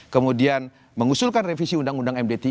kemudian mengusulkan revisi undang undang md tiga